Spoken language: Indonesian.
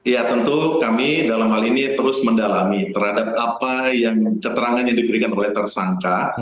ya tentu kami dalam hal ini terus mendalami terhadap apa yang keterangan yang diberikan oleh tersangka